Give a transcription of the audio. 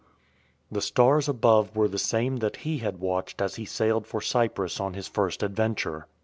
The stars above were the same that he had watched as he sailed for Cyprus on his first adventure.